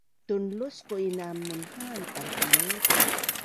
tunlusquin aam munhaan Tankinuz